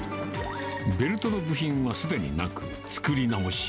ベルトの部品はすでになく、作り直し。